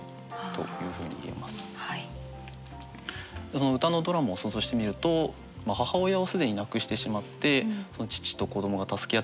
こちらを歌のドラマを想像してみると母親を既に亡くしてしまって父と子どもが助け合って暮らしてきた。